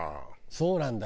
そうなんだ。